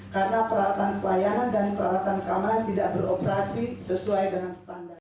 karena peralatan pelayanan dan peralatan keamanan tidak beroperasi sesuai dengan standar